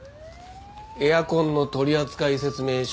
エアコンの取扱説明書。